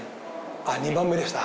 あっ２番目でした。